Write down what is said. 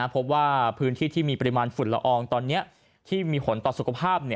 พบว่าพื้นที่ที่มีปริมาณฝุ่นละอองตอนนี้ที่มีผลต่อสุขภาพ